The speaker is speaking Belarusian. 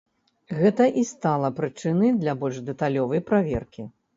Гэта і стала прычынай для больш дэталёвай праверкі.